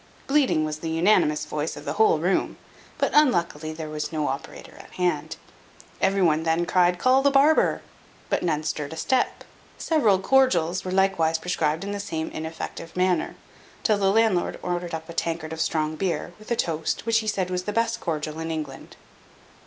Bleeding was the unanimous voice of the whole room; but unluckily there was no operator at hand; every one then cried, "Call the barber;" but none stirred a step. Several cordials was likewise prescribed in the same ineffective manner; till the landlord ordered up a tankard of strong beer, with a toast, which he said was the best cordial in England.